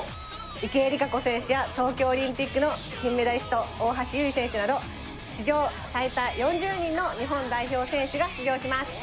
池江璃花子選手や東京オリンピックの金メダリスト大橋悠依選手など史上最多４０人の日本代表選手が出場します。